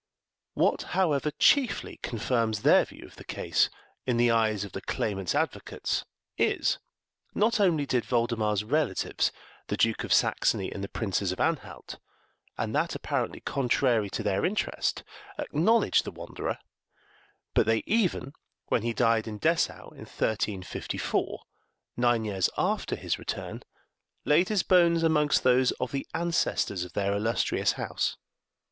What, however, chiefly confirms their view of the case in the eyes of the claimant's advocates is, not only did Voldemar's relatives, the Duke of Saxony and the Princes of Anhalt, and that apparently contrary to their interest, acknowledge the wanderer, but they even, when he died at Dessau, in 1354, nine years after his return, laid his bones amongst those of the ancestors of their illustrious house.